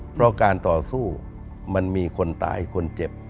เพราะการต่อสู้มันมีคนตายคนเจ็บ